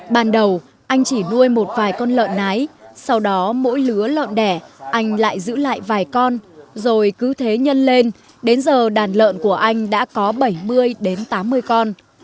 ban đầu anh chỉ nuôi một vài con lợn nái sau đó mỗi lứa lợn đẻ anh lại giữ lại vài con rồi cứ thế nhân lên đến giờ đàn lợn của anh đã có bảy mươi đến tám mươi con